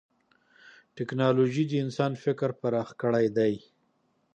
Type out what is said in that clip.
ټکنالوجي د انسان فکر پراخ کړی دی.